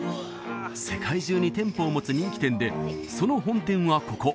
世界中に店舗を持つ人気店でその本店はここ